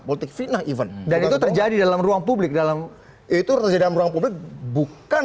politik fitnah even dan itu terjadi dalam ruang publik dalam itu terjadi dalam ruang publik bukan